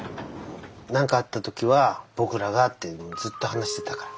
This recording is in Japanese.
何かあった時は僕らがっていうのずっと話してたから。